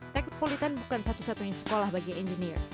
teknopolitan bukan satu satunya sekolah bagi engineer